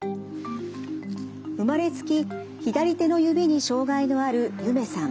生まれつき左手の指に障害のあるゆめさん。